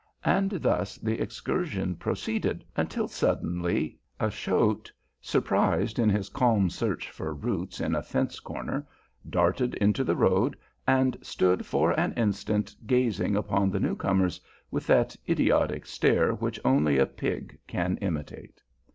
And thus the excursion proceeded, until suddenly a shote, surprised in his calm search for roots in a fence corner, darted into the road, and stood for an instant gazing upon the newcomers with that idiotic stare which only a pig can imitate.